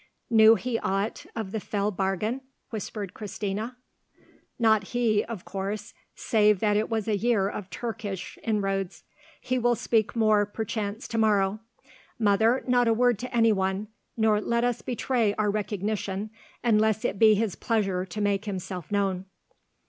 "Knew he aught of the fell bargain?" whispered Christina. "Not he, of course, save that it was a year of Turkish inroads. He will speak more perchance to morrow. Mother, not a word to any one, nor let us betray our recognition unless it be his pleasure to make himself known."